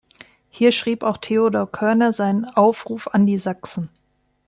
Hier schrieb auch Theodor Körner seinen "Aufruf an die Sachsen".